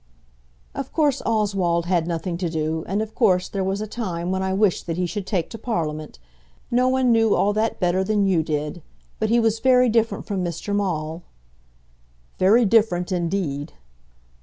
"Of course Oswald had nothing to do, and, of course, there was a time when I wished that he should take to Parliament. No one knew all that better than you did. But he was very different from Mr. Maule." "Very different, indeed."